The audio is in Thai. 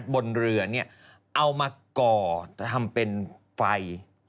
บนเรือเอามาก่อทำเป็นไฟ